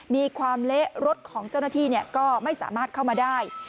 มีความเละรถของเจ้าหน้าที่ก็ไม่สามารถเข้ามาได้